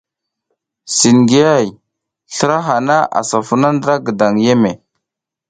Singihay, slra hana asa funa gidan yeme.